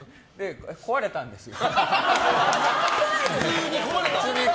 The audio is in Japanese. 壊れたんですよ。